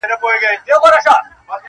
پوليس د کور ځيني وسايل له ځان سره وړي,